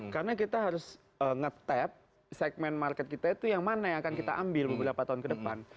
karena kita harus ngetap segmen market kita itu yang mana yang akan kita ambil beberapa tahun ke depan